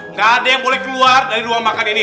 nggak ada yang boleh keluar dari rumah makan ini